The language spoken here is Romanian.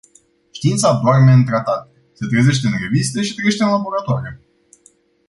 Știința doarme în tratate, se trezește în reviste și trăiește în laboratoare.